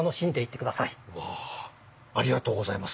わあありがとうございます。